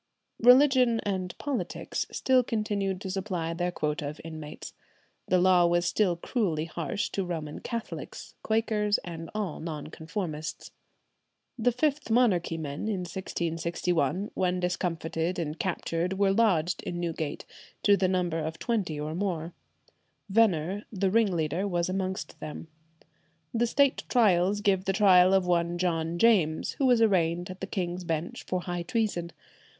Religion and politics still continued to supply their quota of inmates. The law was still cruelly harsh to Roman Catholics, Quakers, and all Non conformists. The Fifth Monarchy men in 1661, when discomfited and captured, were lodged in Newgate, to the number of twenty or more. Venner, the ringleader, was amongst them. The State Trials give the trial of one John James, who was arraigned at the King's Bench for high treason.